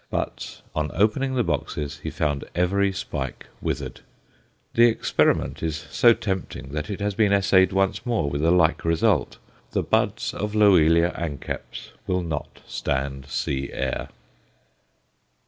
But on opening the boxes he found every spike withered. The experiment is so tempting that it has been essayed once more, with a like result. The buds of Loelia anceps will not stand sea air.